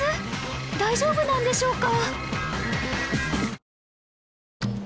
大丈夫なんでしょうか？